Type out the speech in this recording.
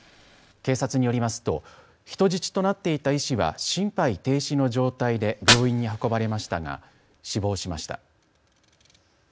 警察によりますと人質となっていた医師は心肺停止の状態で病院に運ばれましたが死亡しました。